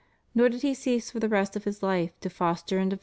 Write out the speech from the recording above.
Nor did he cease for the rest of his life to foster and develop * Joann.